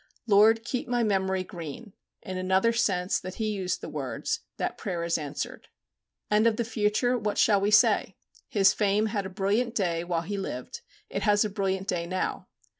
"Lord, keep my memory green," in another sense than he used the words, that prayer is answered. And of the future what shall we say? His fame had a brilliant day while he lived; it has a brilliant day now.